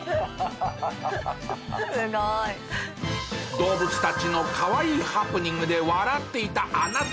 動物たちの可愛いハプニングで笑っていたあなた。